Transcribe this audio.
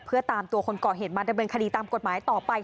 เพื่อตามตัวคนก่อเหตุมาดำเนินคดีตามกฎหมายต่อไป